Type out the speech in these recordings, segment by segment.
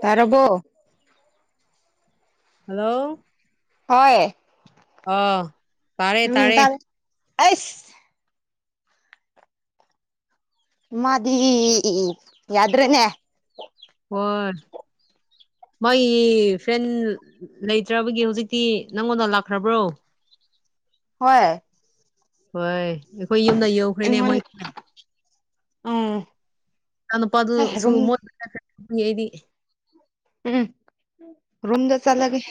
ꯇꯔꯔꯕꯣ hello ꯍꯣꯏ ꯑꯥ ꯎꯝ ꯇꯥꯔꯦ ꯑꯩꯁ ꯃꯥꯗꯤ ꯌꯥꯗ꯭ꯔꯦꯅꯦ ꯋꯥꯠ ꯃꯥꯒꯤ ꯐ꯭ꯔꯦꯟ ꯂꯩꯇ꯭ꯔꯕꯒꯤ ꯍꯧꯖꯤꯛꯇꯤ ꯅꯪꯉꯣꯟꯗ ꯂꯥꯛꯈ꯭ꯔꯕ꯭ꯔꯣ ꯍꯣꯏ ꯍꯣꯏ ꯑꯩꯈꯣꯏ ꯌꯨꯝꯗ ꯌꯧꯈ꯭ꯔꯦꯅꯦ ꯑꯩꯉꯣꯟ ꯃꯣꯏ ꯎꯝ ꯅꯪ ꯍꯦ ꯅꯨꯄꯗꯨꯁꯨ ꯔꯨꯝ ꯃꯣꯠ [unintelligible] ꯅꯤ ꯑꯩꯗꯤ ꯎꯝ ꯔꯨꯝꯗ ꯆꯠꯂꯒꯦ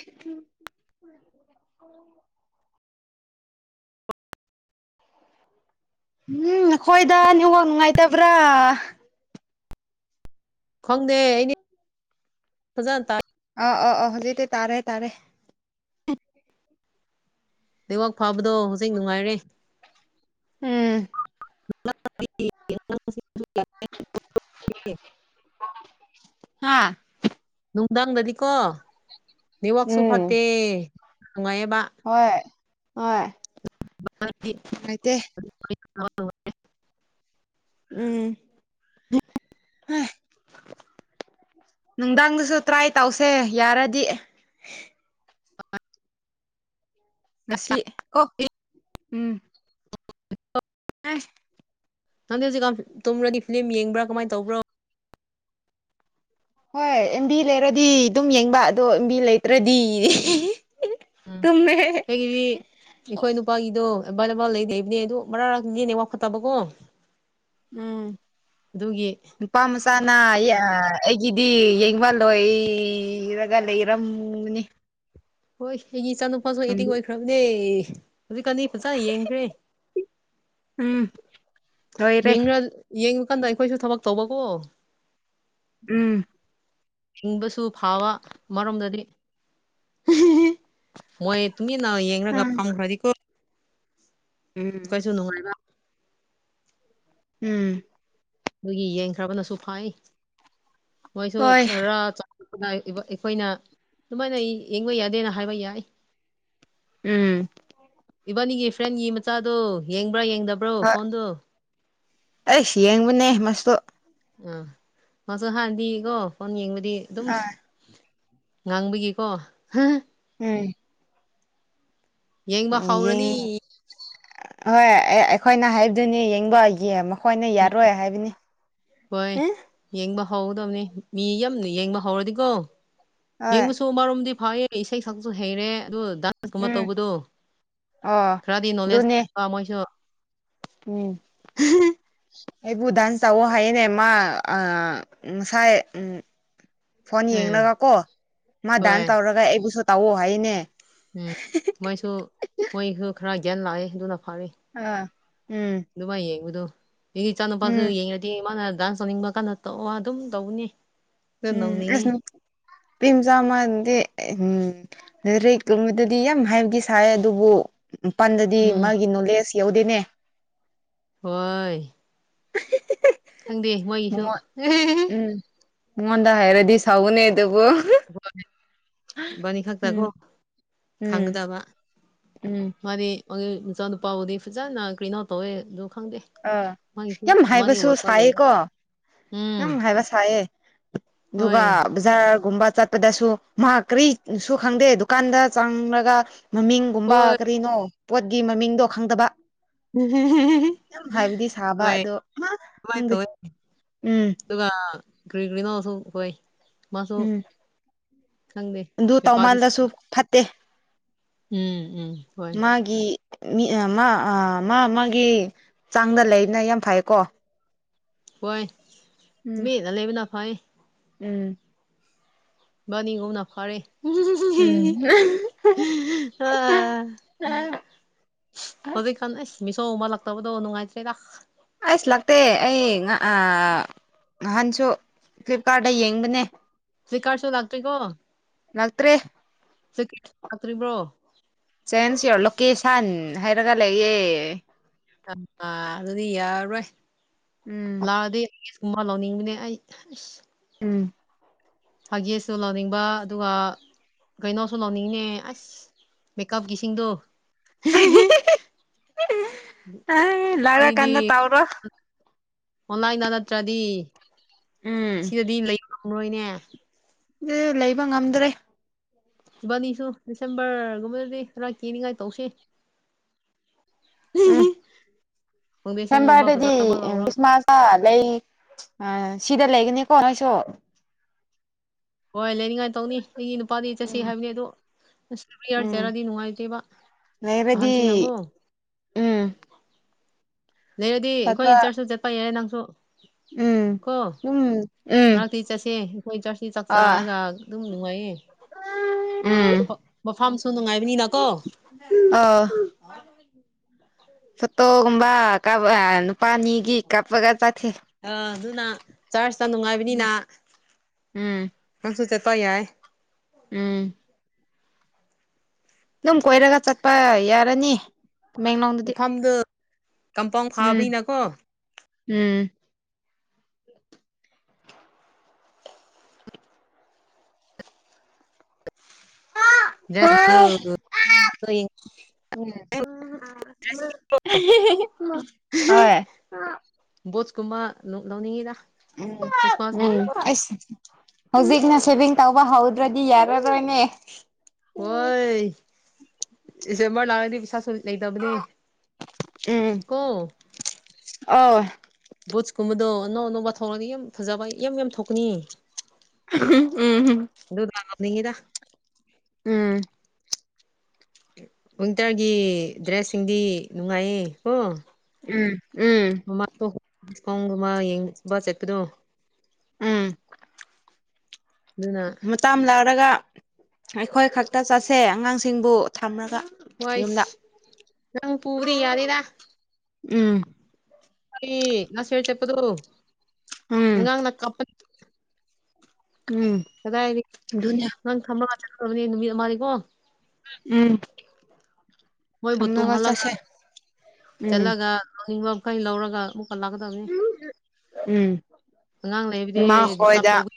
ꯎꯝ ꯅꯈꯣꯏꯗ ꯅꯦꯠꯋꯥꯛ ꯅꯨꯡꯉꯥꯏꯇꯕ꯭ꯔꯥ ꯈꯪꯗꯦ ꯑꯩꯗꯤ ꯐꯖꯅ ꯇꯥꯏ ꯑ ꯑ ꯑ ꯍꯧꯖꯤꯛꯇꯤ ꯇꯥꯔꯦ ꯇꯥꯔꯦ ꯅꯦꯠꯋꯥꯛ ꯐꯕꯗꯣ ꯍꯧꯖꯤꯛ ꯅꯨꯡꯉꯥꯏꯔꯦ ꯎꯝ [unintelligible] ꯍꯥꯥ ꯅꯨꯡꯗꯥꯡꯗꯗꯤꯀꯣ ꯅꯦꯠꯋꯥꯛꯁꯨ ꯎꯝ ꯐꯠꯇꯦ ꯅꯨꯡꯉꯥꯏꯌꯦꯕ ꯍꯣꯏ ꯍꯣꯏ ꯅꯨꯡꯉꯥꯏꯇꯦ [unintelligible] ꯎꯝ ꯅꯨꯡꯗꯥꯡꯗꯁꯨ ꯇ꯭ꯔꯥꯏ ꯇꯧꯁꯦ ꯌꯥꯔꯗꯤ ꯑ [unintelligible] ꯉꯁꯤ ꯀꯣ [inaudible] ꯑꯩꯁ ꯅꯪꯗꯤ ꯍꯧꯖꯤꯛꯀꯥꯟ ꯇꯨꯝꯔꯗꯤ ꯐꯤꯂꯝ ꯌꯦꯡꯕ꯭ꯔꯥ ꯀꯃꯥꯏ ꯇꯧꯕ꯭ꯔꯣ ꯍꯣꯏ ꯑꯦꯝꯕꯤ ꯂꯩꯔꯗꯤ ꯑꯗꯨꯝ ꯌꯦꯡꯕ ꯑꯗꯣ ꯑꯦꯝꯕꯤ ꯂꯩꯇ꯭ꯔꯗꯤ ꯎꯝ ꯇꯨꯝꯃꯦ ꯑꯩꯒꯤꯗꯤ ꯑꯩꯈꯣꯏ ꯅꯨꯄꯥꯒꯤꯗꯣ ꯑꯦꯕꯥꯏꯂꯦꯕꯜ ꯂꯩꯇꯦ ꯍꯥꯏꯕꯅꯦ ꯑꯗꯨ ꯃꯔꯛ ꯃꯔꯛꯇꯗꯤ ꯅꯦꯠꯋꯥꯛ ꯐꯠꯇꯕꯀꯣ ꯎꯝ ꯑꯗꯨꯒꯤ ꯅꯨꯄꯥ ꯃꯆꯥꯅ ꯌꯥ ꯑꯩꯒꯤꯗꯤ ꯌꯦꯡꯕ ꯂꯣꯏꯔꯒ ꯂꯩꯔꯝ ꯎꯡꯕꯅꯤ ꯍꯣꯏ ꯑꯩꯒꯤ ꯏꯆꯥꯅꯨꯄꯥꯁꯨ ꯑꯦꯗꯤꯡ ꯑꯣꯏꯈ꯭ꯔꯕꯅꯦ ꯍꯧꯖꯤꯛꯀꯥꯟꯗꯤ ꯐꯖ ꯌꯦꯡꯈ꯭ꯔꯦ ꯎꯝ ꯌꯦ ꯂꯣꯏꯔꯦ ꯌꯦꯡꯉꯨꯀꯥꯟꯗ ꯑꯩꯈꯣꯏꯁꯨ ꯊꯕꯛ ꯇꯧꯕꯀꯣ ꯎꯝ ꯍꯤꯡꯕꯁꯨ ꯐꯕ ꯃꯔꯣꯝꯗꯗꯤ ꯃꯣꯏ ꯇꯨꯝꯃꯤꯅ ꯌꯦꯡꯔꯒ ꯐꯥꯝ ꯈ꯭ꯔꯗꯤ ꯀꯣ ꯎꯝ ꯀꯩꯁꯨꯨꯅꯅꯨꯡ ꯎꯝ ꯃꯣꯏꯒꯤ ꯌꯦꯡꯈ꯭ꯔꯕꯅꯁꯨ ꯐꯩ ꯃꯣꯏꯁꯨ ꯍꯣꯏ ꯈꯔ ꯑꯩꯈꯣꯏꯅ ꯑꯗꯨꯃꯥꯏꯅ ꯌꯦꯡꯕ ꯌꯥꯗꯦꯅ ꯍꯥꯏꯕ ꯌꯥꯏ ꯎꯝ ꯏꯕꯥꯅꯤꯒꯤ ꯐ꯭ꯔꯦꯟꯒꯤ ꯃꯆꯥꯗꯣ ꯌꯦꯡꯕ꯭ꯔꯥ ꯌꯦꯡꯗꯕ꯭ꯔꯣ ꯍꯣꯏ ꯐꯣꯟꯗꯣ ꯑꯩꯁ ꯌꯦꯡꯕꯅꯦ ꯃꯥꯁꯨ ꯑꯥ ꯃꯥꯁꯨ ꯍꯥꯟꯅꯗꯤꯀꯣ ꯐꯣꯟ ꯌꯦꯡꯕꯗꯤ ꯑꯗꯨꯝ ꯑꯥ ꯉꯥꯡꯕꯒꯤꯀꯣ ꯎꯝ ꯌꯦꯡꯕ ꯍꯧꯔꯅꯤ ꯍꯣꯏ ꯑꯩꯈꯣꯏꯅ ꯍꯥꯏꯕꯗꯨꯅꯤ ꯌꯦꯡꯕ ꯌꯦ ꯍꯣꯏꯅꯦ ꯌꯥꯔꯣꯏ ꯍꯥꯏꯕꯅꯤ ꯍꯣꯏ ꯎꯝ ꯌꯦꯡꯕ ꯍꯧꯒꯗꯕꯅꯤ ꯃꯤ ꯌꯥꯝꯅ ꯌꯦꯡꯕ ꯍꯧꯔꯗꯤꯀꯣ ꯍꯣꯏ ꯌꯦꯡꯕꯁꯨ ꯃꯔꯨꯝꯝꯗꯤ ꯐꯌꯦ ꯏꯁꯩ ꯁꯛꯄꯁꯨ ꯍꯩꯔꯦ ꯑꯗꯨ ꯀꯨꯝꯕ ꯎꯝ ꯇꯧꯕꯗꯨ ꯑꯣ ꯈꯔꯗꯤ ꯑꯗꯨꯅꯦ ꯅꯣꯂꯦꯖ ꯃꯣꯏꯁꯨ ꯎꯝ ꯍ ꯑꯩꯕꯨ ꯗꯥꯥꯟꯁ ꯇꯥ ꯍꯥꯏꯌꯦꯅꯦ ꯃꯥ ꯑ ꯉꯁꯥꯏ ꯎꯝ ꯐꯣꯟ ꯎꯝ ꯌꯦꯡꯒ ꯀꯣ ꯃꯥ ꯍꯣꯏ ꯗꯥꯟꯁ ꯇꯧꯔꯒ ꯑꯩꯕꯨꯁꯨ ꯇꯥꯛꯑꯣ ꯍꯥꯏꯅꯦ ꯎꯝ ꯃꯣꯏꯁꯨ ꯃꯣꯏꯁꯨ ꯈꯔ ꯒ꯭ꯌꯥꯟ ꯂꯥꯛꯑꯦ ꯑꯗꯨꯅ ꯐꯥꯔꯤ ꯑ ꯎꯝ ꯑꯗꯨꯃꯥꯏ ꯌꯦꯡꯕꯗꯣ ꯑꯩꯒꯤ ꯏꯆꯥ ꯅꯨꯨꯄꯥꯁꯨ ꯎꯝ ꯌꯦꯡꯉꯗꯤꯦ ꯃꯥꯅ ꯗꯥꯟꯁ ꯇꯧꯅꯤꯡꯕ ꯀꯥꯟꯗ ꯇꯧ ꯑꯗꯨꯝ ꯇꯧꯕꯅꯦ ꯎꯝ ꯄꯤꯝꯖ ꯃꯗꯤ ꯎꯝ ꯅꯔꯦ ꯀꯕꯗꯗꯤ ꯌꯥꯝ ꯍꯥꯏꯕꯗꯤ ꯁꯥꯏ ꯑꯗꯨꯕꯨ ꯃꯄꯥꯟꯗꯗꯤ ꯎꯝ ꯃꯥꯒꯤ ꯅꯣꯂꯦꯖ ꯌꯥꯎꯗꯦꯅꯦ ꯍꯣꯏ ꯈꯪꯗꯦ ꯃꯣꯏꯁꯨ ꯃꯉꯣꯟ ꯎꯝ ꯃꯉꯣꯟꯗ ꯍꯦꯔꯗꯤ ꯁꯥꯎꯅꯦ ꯇꯕꯨꯣ ꯏꯕꯥꯅꯥ ꯈꯛꯇꯀꯣ ꯎꯝ ꯈꯪꯒꯗꯕ ꯎꯝ ꯃꯥꯗꯤ [unintelligible] ꯃꯆꯥꯅꯨꯄꯥꯕꯨꯗꯤ ꯐꯖꯅ ꯀ꯭ꯔꯤꯟ ꯑꯥꯎꯠ ꯇꯧꯋꯦ ꯑꯗꯨ ꯈꯪꯗꯦ ꯑꯥ ꯃꯥꯒꯤꯁꯨ ꯌꯥꯝ ꯃꯥꯗꯤ ꯍꯩꯕꯁꯨ ꯋꯥꯠꯄ ꯂꯩꯔꯦ ꯁꯥꯏꯌꯦꯀꯣ ꯎꯝ ꯌꯥꯝ ꯍꯥꯏꯕ ꯁꯥꯏꯌꯦ ꯍꯣꯏ ꯗꯨꯒꯥ ꯕꯖꯥꯔꯒꯨꯝꯕ ꯆꯠꯄꯗꯁꯨ ꯃꯥ ꯀꯔꯤꯁꯨ ꯈꯪꯗꯦ ꯗꯨꯀꯥꯟꯗ ꯆꯥꯡꯉꯒ ꯃꯃꯤꯡ ꯄꯨꯝꯕꯥ ꯍꯣꯏ ꯀꯔꯤꯅꯣ ꯄꯣꯠꯀꯤ ꯃꯃꯤꯡꯗꯣ ꯈꯪꯗꯕ ꯌꯥꯝ ꯍꯥꯏꯕꯗꯤ ꯁꯥꯕ ꯑꯗꯣ ꯃꯥ ꯈꯪꯗꯦ [unintelligible] ꯎꯝ ꯑꯗꯨꯒ ꯀꯔꯤ ꯀꯔꯤꯅꯣꯁꯨ ꯍꯣꯏ ꯃꯥꯁꯨ ꯎꯝ ꯈꯪꯗꯦ ꯑꯗꯨ ꯍꯩꯄꯥꯗꯤ ꯇꯧꯃꯥꯟꯂꯁꯨ ꯐꯠꯇꯦ ꯎꯝ ꯎꯝ ꯍꯣꯏ ꯃꯥꯒꯤ ꯃꯤ ꯃꯥ ꯃꯥ ꯃꯥꯒꯤ ꯆꯥꯡꯗ ꯂꯩꯕꯅ ꯌꯥꯝ ꯐꯩꯀꯣ ꯍꯣꯏ ꯎꯝ ꯃꯤ ꯠꯅ ꯂꯩꯕꯅ ꯐꯥꯏ ꯎꯝ ꯕꯥꯅꯤꯒꯨꯝꯅ ꯐꯥꯔꯦ ꯑ ꯎꯝ ꯍꯧꯖꯤꯛꯀꯥꯟ ꯑꯩꯏ ꯃꯤꯁꯣ ꯃꯥꯟꯂꯛꯇꯕꯗꯣ ꯅꯨꯡꯉꯥꯏꯇꯔꯦꯗ ꯑꯁ ꯂꯥꯛꯇꯦ ꯑꯩ ꯅꯍꯥꯟꯁꯨ ꯐ꯭ꯂꯤꯞꯀꯥꯔꯗꯩ ꯌꯦꯡꯕꯅꯦ ꯁ꯭ꯀꯥꯔꯁꯨ ꯂꯥꯛꯇ꯭ꯔꯤꯒ‌ꯣ ꯂꯛꯇꯔ‌ꯦ [unintelligible] ꯂꯛꯇꯔꯤꯕ‌ꯣ ꯆꯦꯟꯁ ꯌꯣꯔ ꯂꯣꯀꯦꯁꯟ ꯍꯥꯏꯔꯒ ꯂꯩꯌꯦ ꯑ ꯑꯗꯨꯗꯤ ꯌꯥꯔꯔꯣꯏ ꯎꯝ ꯂꯥꯛꯑꯗꯤ ꯎꯃ ꯂꯧꯅꯤꯡꯕꯅꯦ ꯑꯩ ꯑꯁ ꯎꯝ ꯍꯥꯒꯤꯁꯁꯨ ꯂꯧꯅꯤꯡꯕ ꯑꯗꯨꯒ ꯀꯩꯅꯣꯁꯨ ꯂꯧꯅꯤꯡꯅꯦ ꯑꯁ ꯃꯦꯛꯀꯞꯒꯤꯁꯤꯡꯗꯣ ꯑꯩꯗꯤ ꯇꯧꯔꯣꯏ ꯑꯣꯟꯂꯥꯏꯟꯗ ꯅꯠꯇ꯭ꯔꯗꯤ ꯎꯝ ꯁꯤꯗꯗꯤ ꯂꯩ ꯉꯝꯔꯣꯏꯅꯦ ꯑꯦ ꯂꯩꯕ ꯉꯝꯗ꯭ꯔꯦ ꯏꯕꯥꯟꯅꯤꯁꯨ ꯗꯤꯁꯦꯝꯕꯔꯒꯨꯝꯕꯗꯗꯤ ꯈꯔ ꯀ‌ꯦꯅꯤꯉꯥꯏ ꯇꯧꯁ‌‍ꯦ ꯎꯝ ꯗꯤꯁ‌ꯦꯝꯕꯔ ꯐꯥꯎꯟꯗꯦꯁꯟꯒꯨꯝꯕ ꯗꯗꯤ ꯐꯖꯕ ꯑꯥ ꯂꯧꯔꯒ ꯈ꯭ꯔꯤꯁꯃꯥꯁ ꯑ ꯂꯩ ꯑ ꯁꯤꯗ ꯂꯩꯒꯅꯤꯀꯣ ꯅꯣꯏꯁꯨ ꯍꯣꯏ ꯂꯩꯅꯤꯡꯉꯥꯏ ꯇꯧꯅꯤ ꯑꯩꯒꯤ ꯅꯨꯄꯥꯗꯤ ꯆꯠꯁꯤ ꯍꯥꯏꯕꯅꯤ ꯑꯗꯣ [unintelligible] ꯅꯨꯡꯉꯥꯏꯇꯦꯕ ꯅꯦꯕꯗꯤ ꯑꯍꯟꯁꯤꯡꯅꯀꯣ ꯂꯩꯔꯗꯤ ꯑꯩꯈꯣꯏ ꯆꯠꯄ ꯆꯔ꯭ꯆꯁꯨ ꯆꯠꯄ ꯌꯥꯏꯔꯦ ꯅꯪꯁꯨ ꯎꯝ ꯀꯣ ꯑꯗꯨꯝ ꯎꯝ ꯃꯔꯛꯇꯤ ꯆꯠꯁꯦ ꯑꯩꯈꯣꯏ ꯆꯔ꯭ꯆꯀꯤ ꯆꯥꯛ ꯑ ꯆꯥꯔꯒ ꯑꯗꯨꯝ ꯅꯨꯡꯉꯥꯏꯌꯦ ꯎꯝ ꯃꯐꯝꯁꯨ ꯅꯨꯡꯉꯥꯏꯕꯅꯤꯅꯀꯣ ꯑꯥ ꯐꯣꯇꯣꯒꯨꯝꯕ ꯀꯥꯞꯄꯒ ꯅꯨꯄꯥꯅꯤꯒꯤ ꯀꯥꯞꯄꯒ ꯆꯠꯊꯦ ꯑꯥ ꯑꯗꯨꯅ ꯆꯔ꯭ꯆꯇ ꯅꯨꯡꯉꯥꯏꯕꯅꯤꯅ ꯎꯝ ꯅꯪꯁꯨ ꯆꯠꯄ ꯌꯥꯏꯌ‌ꯦ ꯎꯝ ꯑꯗꯨꯝ ꯀꯣꯏꯔꯒ ꯆꯠꯄ ꯌꯥꯔꯅꯤ ꯇꯃꯦꯡꯂꯣꯡꯗꯗꯤ ꯃꯐꯝꯗꯨ ꯀꯝꯄꯥꯎꯟ ꯎꯝ ꯐꯥꯕꯅꯤꯅꯀꯣ ꯎꯝ ꯍꯣꯏ [unintelligible] ꯎꯝ ꯍꯣꯏ [unintelligible] ꯕꯨꯠꯁꯀꯨꯝꯕ ꯂꯨꯛ ꯂꯧꯅꯤꯡꯉꯤꯗ ꯎꯝ ꯎꯝ ꯈ꯭ꯔꯤꯁꯃꯥꯁꯀꯤꯗꯤꯀꯣ ꯑꯁ ꯍꯧꯖꯤꯛꯅ ꯁꯦꯚꯤꯡ ꯇꯧꯕ ꯍꯧꯗ꯭ꯔꯗꯤ ꯌꯥꯔꯔꯣꯏꯅꯦ ꯍꯣꯏ ꯏꯁꯦꯝꯕꯔ ꯂꯥꯛꯑꯗꯤ ꯄꯩꯁꯥ ꯂꯩꯇꯕꯅꯦ ꯀꯣ ꯑ ꯕꯨꯠꯁꯀꯨꯝꯕꯗꯣ ꯑꯅꯧ ꯑꯅꯧꯕ ꯊꯣꯡꯔꯗꯤ ꯌꯥꯝ ꯐꯖꯕ ꯌꯥꯝ ꯌꯥꯝ ꯊꯣꯛꯀꯅꯤ [unintelligible] ꯑꯗꯨꯅ [unintelligible] ꯎꯝ ꯋꯤꯟꯇꯔꯒꯤ ꯗ꯭ꯔꯦꯁꯁꯤꯡꯗꯤ ꯅꯨꯡꯉꯥꯏꯌꯦ ꯀꯣ ꯎꯝ ꯎꯝ ꯃꯃꯥꯡꯗꯣ ꯗꯤꯁꯀꯥꯎꯟꯒꯨꯝꯕ ꯌꯦꯡꯕ ꯆꯠꯄꯗꯣ ꯎꯝ ꯂꯨꯅ ꯇꯥꯝꯂꯔꯒ ꯑꯩꯈꯣꯏ ꯈꯛꯇ ꯆꯠꯁꯦ ꯑꯉꯥꯡꯁꯤꯡꯕꯨ ꯊꯝꯂꯒ ꯍꯣꯏꯁ ꯅꯪ ꯄꯨꯕꯗꯤ ꯌꯥꯔꯤꯔ ꯎꯝ ꯏ ꯅꯁꯦꯔ ꯆꯄꯗꯨ ꯎꯝ ꯑꯉꯥꯡꯅ ꯀꯞꯄ ꯎꯝ ꯀꯗꯥꯏꯗꯒꯤ ꯑꯗꯨꯅꯦ ꯅꯪ ꯊꯝꯃꯒ ꯆꯠꯀꯗꯕꯗꯤ ꯅꯨꯃꯤꯠ ꯑꯃꯥꯅꯤꯀꯣ ꯎꯝ ꯃꯣꯏꯕꯨ ꯊꯝꯂꯒ ꯇꯨꯝꯍꯜꯂꯒ ꯆꯠꯁꯦ ꯎꯝ ꯆꯠꯂꯒ ꯂꯧꯅꯤꯡꯕꯃꯈꯩ ꯂꯧꯔꯒ ꯃꯨꯛ ꯂꯥꯛꯀꯗꯕꯅꯤ ꯎꯝ ꯑꯉꯥꯡ ꯂꯩꯕꯗꯤ ꯗꯤꯁꯇꯥꯔꯕ ꯇꯧꯕ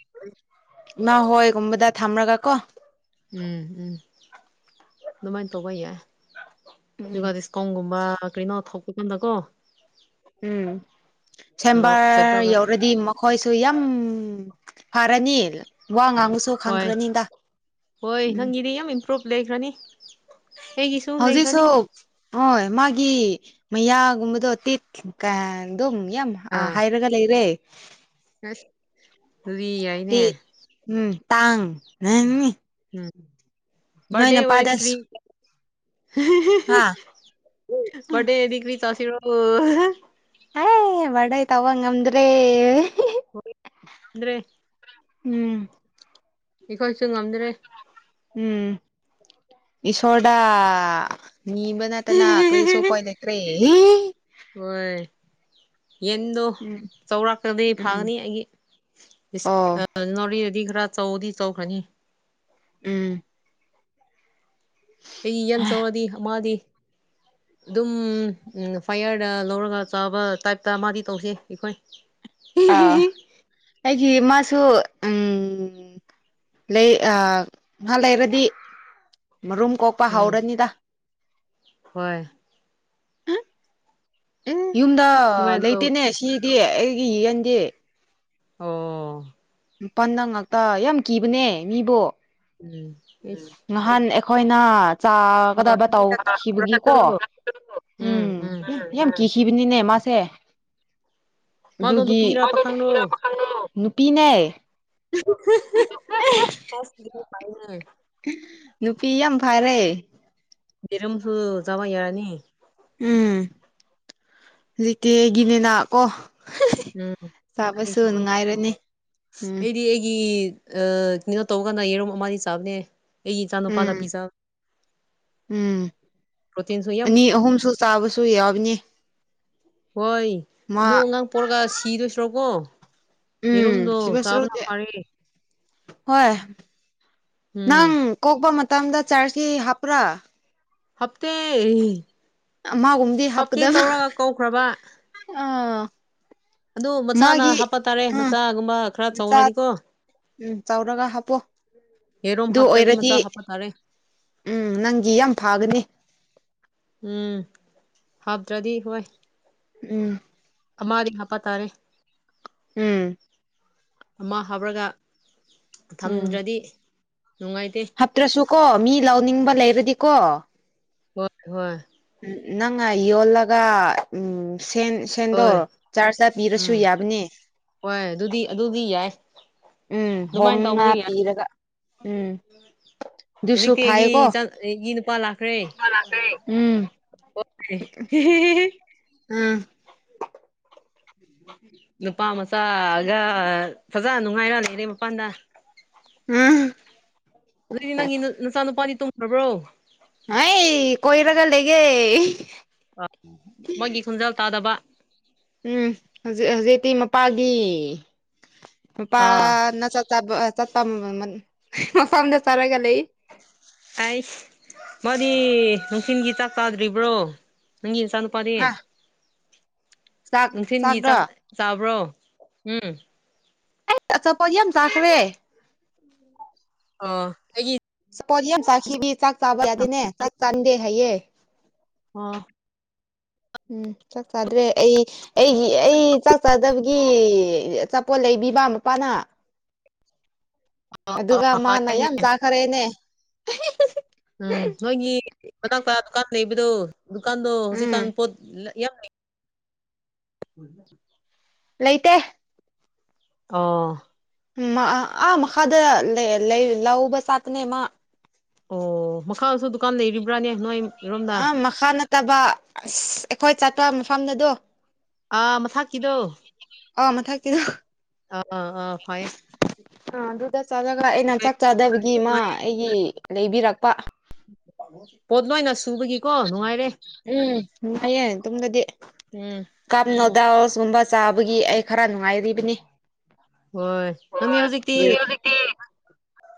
ꯅ ꯍꯣꯏꯒꯨꯝꯕꯗ ꯊꯝꯂꯒ ꯀꯣ ꯎꯝ ꯎꯝ ꯑꯗꯨꯃꯥꯏꯅ ꯇꯧꯕ ꯌꯥꯏ ꯎꯝ ꯗꯨꯒ ꯗꯤꯁ ꯀꯣꯡꯒꯨꯝꯕ ꯀꯩꯅꯣ ꯊꯣꯛꯄ ꯀꯥꯟꯗ ꯀꯣ ꯎꯝ ꯂꯧ ꯁꯦꯝꯕꯥꯔ ꯆꯠꯂꯒ ꯌꯧꯔꯗꯤ ꯃꯛ ꯍꯣꯏꯁꯨ ꯌꯥꯝ ꯐꯔꯅꯤ ꯋꯥ ꯉꯥꯡꯕꯁꯨ ꯍꯣꯏ ꯈꯪꯈ꯭ꯔꯅꯤꯗ ꯍꯣꯏ ꯎꯝ ꯅꯪꯒꯤꯗꯤ ꯌꯥꯝ ꯏꯝꯄ꯭ꯔꯨꯞ ꯂꯩꯈ꯭ꯔꯅꯤ ꯑꯩꯒꯤꯁꯨ ꯍꯧꯖꯤꯛꯁꯨ ꯂꯩꯈ꯭ꯔꯅꯤ ꯍꯣꯏ ꯃꯥꯒꯤ ꯃꯌꯥꯒꯨꯝꯕꯗꯣ ꯇꯦꯠ ꯀ ꯑꯗꯨꯝ ꯌꯝ ꯑꯥ ꯍꯥꯏꯔꯒ ꯂꯩꯔꯦ ꯑꯁ ꯑꯗꯨꯗꯤ ꯌꯥꯏꯅꯦ ꯇꯤ ꯎꯝ ꯇꯥꯡ ꯉꯅꯤ ꯎꯝ ꯕꯥꯔꯗꯦ ꯑꯣꯏꯔꯗꯤ ꯀꯔꯤ ꯍꯥ ꯕꯥꯔꯗꯦ ꯑꯣꯏꯔꯗꯤ ꯀ꯭ꯔꯤ ꯆꯥꯁꯤꯔꯣ ꯑꯩ ꯕꯥꯔꯗꯦ ꯇꯧꯕ ꯉꯝꯗ꯭ꯔꯦ ꯍꯣꯏꯗ꯭ꯔꯦ [unintelligible] ꯎꯝ ꯑꯩꯈꯣꯏꯁꯨ ꯉꯝꯗ꯭ꯔꯦ ꯎꯝ ꯏꯁ꯭ꯋꯔꯗ ꯅꯤꯕ ꯅꯠꯇꯅꯥ ꯀ꯭ꯔꯤꯁꯨ ꯎꯄꯥꯏ ꯂꯩꯇ꯭ꯔꯦ ꯍꯣꯏ ꯌꯦꯟꯗꯣ ꯎꯝ ꯆꯥꯎꯔꯛꯈ꯭ꯔꯗꯤ ꯎꯝ ꯐꯒꯅꯤ ꯑꯩꯒꯤ ꯑꯣ ꯉꯣꯎꯔꯤꯌꯣꯗꯤ ꯈꯔꯥ ꯇꯧꯗꯤ ꯇꯧꯈ꯭ꯔꯅꯤ ꯎꯝ ꯑꯩ ꯌꯦꯟ ꯊꯣꯡꯂꯗꯤ ꯑꯃꯥꯗꯤ [inaudible] ꯑꯗꯨꯝ ꯐꯥꯏꯌꯔꯗ ꯂꯧꯔꯒ ꯆꯥꯕ ꯇꯥꯏꯞꯇ ꯃꯥꯗꯤ ꯇꯧꯁꯦ ꯑꯩꯈꯣꯏ ꯑꯥ ꯑꯩꯒꯤ ꯃꯥꯁꯨ ꯎꯝ ꯂꯩ ꯉꯍꯥ ꯂꯩꯔꯗꯤ ꯃꯔꯨꯝ ꯀꯣꯛꯄ ꯎꯝ ꯍꯧꯔꯅꯤꯗ ꯍꯣꯏ ꯑꯦ ꯌꯨꯝꯗ ꯑꯗꯨꯃꯥꯏꯅ ꯇꯧ ꯂꯩꯇꯦꯅꯦ ꯁꯤꯗꯤ ꯑꯩꯒꯤ ꯌꯦꯟꯗꯤ ꯑꯣ ꯃꯄꯥꯟꯗ ꯉꯥꯛꯇ ꯌꯥꯝ ꯀꯤꯕꯅꯦ ꯃꯤꯕꯣ [unintelligible] ꯉꯍꯥꯟ ꯑꯩꯈꯣꯏꯅ ꯆꯥꯒꯗꯕ ꯇꯧꯈꯤꯕꯒꯤ ꯀꯣ ꯎꯝ ꯌꯥꯝ ꯌꯥꯝ ꯀꯤꯈꯤꯕꯅꯤꯅꯦ ꯃꯥꯁꯦ ꯃꯥꯗꯣ ꯑꯗꯨꯒꯤ ꯅꯨꯄꯤꯔ ꯄꯥꯈꯪꯔꯣ ꯅꯨꯄꯤꯅꯦ ꯑꯁ ꯄꯥꯏꯅꯦ ꯅꯨꯄꯤ ꯌꯥꯝ ꯐꯔꯦ ꯔꯝꯁꯨ ꯆꯕ ꯌꯥꯔꯥꯅꯤ ꯎꯝ ꯍꯧꯖꯤꯀꯤꯦꯒꯤꯅꯦꯅ ꯀꯣ ꯎ ꯆꯥꯕꯁꯨ ꯅꯨꯡꯉꯥꯏꯔꯅꯤ ꯎꯝ ꯑꯩꯗꯤ ꯑꯩꯒꯤ ꯀꯩꯅꯣ ꯇꯧꯒꯥꯟ ꯌꯦꯔꯨꯝ ꯑꯃ ꯆꯥꯕꯅꯦ ꯑꯩꯒꯤ ꯏꯆꯥ ꯅꯨꯨꯄꯥꯗ ꯎꯝ ꯄꯤꯖꯥ ꯎꯝ ꯄ꯭ꯔꯣꯇꯤꯟꯁꯨ ꯌꯥꯝ ꯑꯅꯤ ꯑꯍꯨꯝꯁꯨ ꯆꯥꯕꯁꯨ ꯌꯥꯎꯕꯅꯤ ꯍꯣꯏ ꯃꯥ ꯑꯗꯨ ꯑꯉꯥꯡ ꯄꯣꯔꯒ ꯁꯤꯗꯣꯏꯁꯤꯔꯣꯀꯣ ꯎꯝ ꯌꯦꯔꯨꯝꯗꯣ ꯁꯤꯕ ꯆꯥꯕꯅ ꯁꯔꯨꯛꯇꯤ ꯐꯥꯔꯦ ꯍꯣꯏ ꯅꯪ ꯎꯝ ꯀꯣꯛꯄ ꯃꯇꯝꯗ ꯆꯥꯔꯖꯁꯤ ꯍꯥꯞꯄ꯭ꯔꯥ ꯍꯥꯞꯇꯦ ꯃꯥꯒꯨꯝꯕꯗꯤ ꯍꯥꯞꯀꯦ ꯇꯧꯔꯒ ꯀꯧꯈ꯭ꯔꯕ ꯑ ꯑꯗꯨ ꯃꯆꯥꯅ ꯍꯥꯞꯄ ꯇꯥꯔꯦ ꯎꯝ ꯃꯆꯥꯒꯨꯝꯕ ꯈꯔ ꯃꯆꯥ ꯆꯥꯎꯔꯅꯤꯀꯣ ꯎꯝ ꯆꯥꯎꯔꯒ ꯍꯥꯞꯄꯣ ꯌꯦꯔꯨꯝ ꯑꯗꯨ ꯍꯥꯞꯇ꯭ꯔꯗꯤ ꯑꯣꯏꯔꯗꯤ ꯃꯆꯥ ꯍꯥꯞꯄ ꯇꯥꯔꯦ ꯎꯝ ꯅꯪꯒꯤ ꯌꯥꯝ ꯐꯒꯅꯤ ꯎꯝ ꯍꯥꯞꯇ꯭ꯔꯗꯤ ꯍꯣꯏ ꯎꯝ ꯑꯃꯗꯤ ꯍꯥꯄ ꯇꯥꯔꯦ ꯎꯝ ꯑꯃ ꯍꯥꯞꯔꯒ ꯊꯝꯗ꯭ꯔꯗꯤ ꯅꯨꯡꯉꯥꯏꯇꯦ ꯍꯥꯞꯇ꯭ꯔꯁꯨꯀꯣ ꯃꯤ ꯂꯧꯅꯤꯡꯕ ꯂꯩꯔꯗꯤꯀꯣ ꯍꯣꯏ ꯍꯣꯏ ꯎ ꯅꯪ ꯌꯣꯜꯒ ꯎꯝ ꯍꯣꯏ ꯁꯦꯟꯗꯣꯔ ꯆꯥ ꯆꯥ ꯄꯤꯔꯁꯨ ꯎꯝ ꯌꯥꯕꯅꯦ ꯍꯣꯏ ꯑꯗꯨꯗꯤ ꯑꯗꯨꯗꯤ ꯌꯥꯏ ꯎꯝ ꯍꯣꯡ ꯑꯗꯨꯃꯥꯏꯅ ꯉꯥ ꯇꯧꯕꯗꯤ ꯌꯥꯏ ꯄꯤꯔꯒ ꯎꯝ ꯑꯗꯨꯁꯨ ꯍꯧꯖꯤꯛꯇꯤ ꯐꯩꯀꯣ ꯑꯩꯒꯤꯒꯤ ꯅꯨꯄꯥ ꯂꯥꯛꯈ꯭ꯔꯦ ꯎꯝ ꯑꯣ ꯎꯝ ꯅꯨꯄꯥ ꯃꯆꯥꯒ ꯐꯖ ꯅꯨꯡꯉꯥꯏꯔ ꯂꯩꯔꯦ ꯃꯄꯥꯟꯗ ꯎꯝ ꯑꯗꯨꯏꯗꯤ ꯅꯪꯒꯤ ꯅꯆꯥ ꯅꯨꯄꯥꯅꯤ ꯇꯨꯝꯈꯕ꯭ꯔꯣ ꯑꯩ ꯀꯣꯏꯔꯒ ꯂꯩꯒꯦ ꯑ ꯃꯥꯒꯤ ꯈꯣꯟꯖꯥ ꯇꯥꯗꯕ ꯎꯝ ꯍꯧꯖꯤꯛ ꯍꯧꯖꯤꯛꯇꯤ ꯃꯄꯥꯒꯤ ꯑꯥ ꯃꯄꯥꯅ ꯆ ꯆꯕ ꯆ ꯇ ꯃ ꯃꯄꯥꯝꯗ ꯆꯔꯒꯦ ꯂꯩ ꯑꯩꯁ ꯃꯥꯗꯤ ꯅꯨꯡꯊꯤꯟꯜꯒꯤ ꯆꯥꯛ ꯆꯥꯗ꯭ꯔꯤꯕ꯭ꯔꯣ ꯅꯪꯒꯤ ꯏꯆꯥꯅꯨꯄꯥꯗꯤ ꯍꯥ ꯆꯥꯛ ꯅꯨꯡꯊꯤꯜꯒꯤ ꯆꯥꯛꯔꯣ ꯆꯥꯕ꯭ꯔꯣ ꯎꯝ ꯑꯩ ꯑꯆꯥꯄꯣꯠꯗꯤ ꯌꯥꯝ ꯆꯥꯈ꯭ꯔꯦ ꯑ ꯄꯣꯂꯤꯌꯝ ꯆꯥ ꯆꯥꯛ ꯆꯥꯕ ꯌꯥꯗꯦꯅꯦ ꯆꯥꯛ ꯆꯥꯟꯗꯦ ꯍꯥꯏꯌꯦ ꯑꯣ ꯎꯝ ꯆꯗ꯭ꯔꯦ ꯑꯩ ꯑꯩꯒꯤ ꯑꯩ ꯆꯥꯛ ꯆꯥꯗꯕꯒꯤ ꯑꯆꯥꯄꯣꯠ ꯂꯩꯕꯤꯕ ꯃꯥ ꯃꯄꯥꯅ ꯑꯗꯨꯒ ꯃꯥꯅ ꯌꯥꯝ ꯆꯥꯈꯔꯦꯅꯦ ꯎꯝ ꯅꯣꯏꯒꯤ ꯃꯅꯥꯛꯄ ꯗꯨꯀꯥꯟ ꯂꯩꯕꯗꯣ ꯗꯨꯀꯥꯟꯗ ꯍꯧꯖꯤꯛꯀꯥꯟ ꯎꯝ ꯄꯣꯠ ꯌꯥ ꯂꯩꯇꯦ ꯑꯣ ꯑꯥ ꯃꯈꯥꯗ ꯂꯧꯕ ꯆꯥꯇꯅꯦ ꯃꯥ ꯑꯣ ꯃꯈꯥꯁꯨ ꯗꯨꯀꯥꯟ ꯂꯩꯔꯤꯕ꯭ꯔꯥꯅꯦ ꯅꯣꯏ ꯑ ꯃꯈꯥ ꯅꯠꯇꯕ ꯑꯁ ꯑꯩꯈꯣꯏ ꯆꯠꯄ ꯃꯐꯝꯗꯗꯣ ꯑꯥ ꯃꯊꯛꯀꯤꯗꯣ ꯑ ꯃꯥꯊꯛꯀꯤꯗꯣ ꯑꯥ ꯑꯥ ꯑꯥ ꯐꯩꯌꯦ ꯑ ꯗꯗꯥ ꯆ ꯒꯥ ꯌꯦꯅꯥ ꯑꯩꯅ ꯆ ꯆ ꯆꯥꯗꯕꯒꯤ ꯃꯥ ꯅꯨꯡꯉꯥꯏ ꯑꯩꯒꯤ ꯂꯩꯕꯤꯔꯛꯄ ꯄꯗꯃꯥꯏ ꯅꯁꯨ ꯎꯝꯌꯦꯡ ꯇꯝꯅꯗꯤ ꯎꯝ ꯀꯞ ꯅꯨꯗꯜꯁꯀꯨꯝꯕ ꯆꯥꯕꯒꯤ ꯑꯩ ꯈꯔ ꯅꯨꯡꯉꯥꯏꯔꯤꯕꯅꯤ ꯍꯣꯏ ꯑꯗꯨ ꯍꯧꯖꯤꯛꯇꯤ ꯑꯗꯨꯗꯤ ꯍꯧꯖꯤꯛꯇꯤ